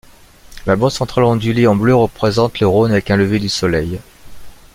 La bande centrale ondulée en bleu représente le Rhône avec un lever du soleil.